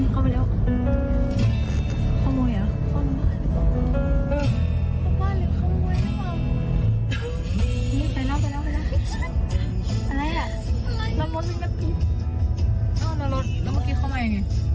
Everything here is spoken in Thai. เข้ามารถแล้วเมื่อกี้เข้ามายังไง